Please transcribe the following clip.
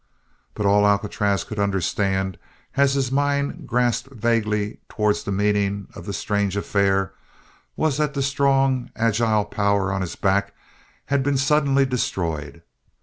But all Alcatraz could understand, as his mind grasped vaguely towards the meaning of the strange affair, was that the strong, agile power on his back had been suddenly destroyed.